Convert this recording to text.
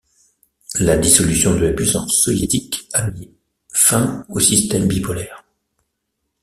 La dissolution de la puissance soviétique a mis fin au système bipolaire.